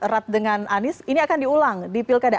erat dengan anies ini akan diulang di pilkada